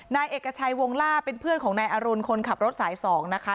นายเอกชัยวงล่าเป็นเพื่อนของนายอรุณคนขับรถสาย๒นะคะ